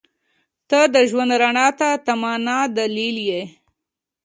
• ته د ژوند رڼا ته تمه نه، دلیل یې.